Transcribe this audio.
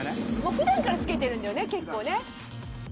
「普段から付けてるんだよね結構ね」